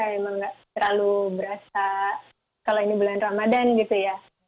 emang nggak terlalu berasa kalau ini bulan ramadhan gitu ya